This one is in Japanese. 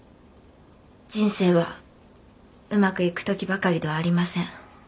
人生はうまくいく時ばかりではありません。